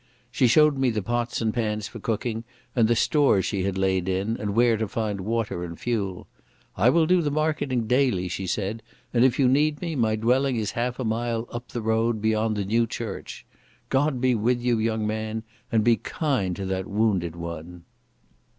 She showed me the pots and pans for cooking and the stores she had laid in, and where to find water and fuel. "I will do the marketing daily," she said, "and if you need me, my dwelling is half a mile up the road beyond the new church. God be with you, young man, and be kind to that wounded one."